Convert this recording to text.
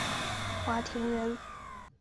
华亭人。